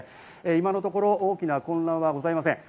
今のところ大きな混乱はございません。